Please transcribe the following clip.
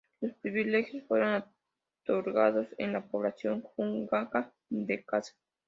Los privilegios fueron otorgados en la población húngara de Kassa.